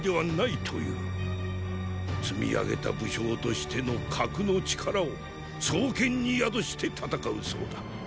積み上げた武将としての“格”の力を双肩に宿して戦うそうだ。